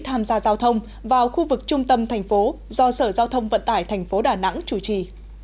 tham gia giao thông vào khu vực trung tâm thành phố do sở giao thông vận tải thành phố đà nẵng chủ trì